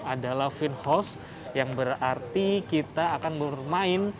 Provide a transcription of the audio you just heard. adalah finhouse yang berarti kita akan bermain